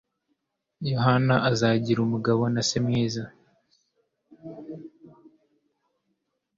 Yohana azagira umugabo na se mwiza.